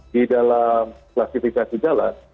di dalam klasifikasi jalan